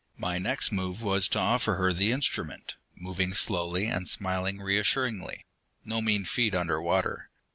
My next move was to offer her the instrument, moving slowly, and smiling reassuringly no mean feat under water.